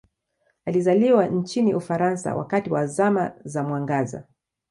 Alizaliwa nchini Ufaransa wakati wa Zama za Mwangaza.